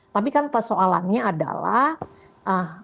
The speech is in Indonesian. tapi kan persoalannya adalah